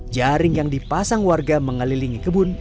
jaring yang dipasang warga mengelilingi kebun